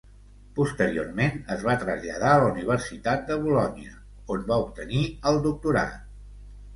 Posteriorment, es va traslladar a la Universitat de Bolonya, on va obtenir el doctorat.